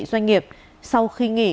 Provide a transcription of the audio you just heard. doanh nghiệp sau khi nghỉ